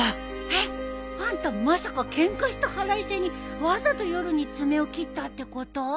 えっあんたまさかケンカした腹いせにわざと夜に爪を切ったってこと？